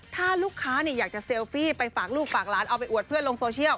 ถ้าลูกค้าอยากจะเซลฟี่ไปฝากลูกฝากหลานเอาไปอวดเพื่อนลงโซเชียล